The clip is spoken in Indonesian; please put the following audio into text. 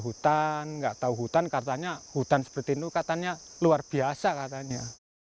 hutan nggak tahu hutan katanya hutan seperti itu katanya luar biasa katanya